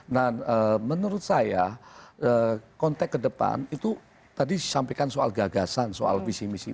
nah menurut saya konteks ke depan itu tadi disampaikan soal gagasan soal visi misi